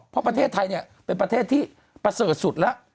เพราะประเทศไทยเนี่ยเป็นประเทศที่ประเสริฐสุดแล้ว